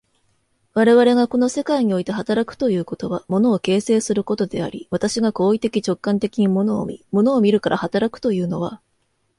我々がこの世界において働くということは、物を形成することであり、私が行為的直観的に物を見、物を見るから働くというのは、